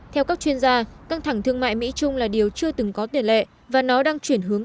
theo các chuyên gia căng thẳng thương mại mỹ trung là điều chưa từng có tiền lệ và nó đang chuyển hướng